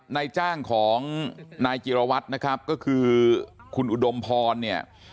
นายจ้างของนายจิรวัตรนะครับก็คือคุณอุดมพรเนี่ย